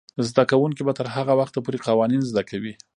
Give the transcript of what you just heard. زده کوونکې به تر هغه وخته پورې قوانین زده کوي.